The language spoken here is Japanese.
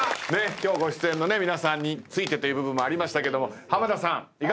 今日ご出演の皆さんについてという部分もありましたけども濱田さんいかがでした？